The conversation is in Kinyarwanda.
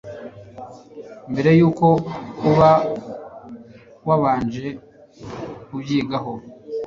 mbere yuko uba wabanje kubyigaho